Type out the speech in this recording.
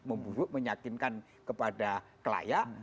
memburuk menyakinkan kepada kelayak